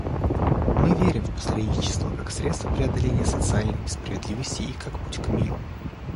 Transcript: Мы верим в посредничество как средство преодоления социальной несправедливости и как путь к миру.